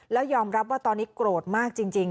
แล้วยอมรับว่าตอนนี้โกรธมากจริง